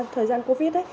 thời gian covid